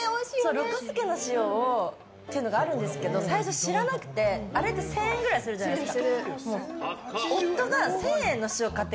ろく助の塩があるんですけど最初知らなくてあれって１０００円ぐらいするじゃないですか。